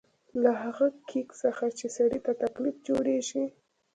له هغه کېک څخه چې سړي ته تکلیف جوړېږي.